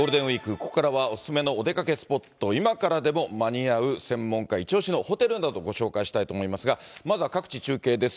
ここからは、お勧めのお出かけスポット、今からでも間に合う専門家一押しのホテルなどご紹介したいと思いますが、まずは各地中継です。